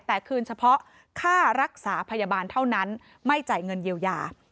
แต่คืนเฉพาะค่ารักษาพยาบาลเท่านั้นไม่จ่ายเงินเยียวยา